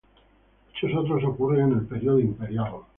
Muchos otros ocurren en el periodo imperial.